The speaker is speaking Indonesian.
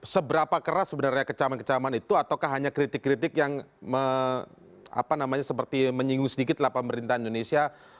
seberapa keras sebenarnya kecaman kecaman itu ataukah hanya kritik kritik yang seperti menyinggung sedikit lah pemerintahan indonesia